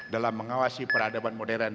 dalam mengawasi peradaban modern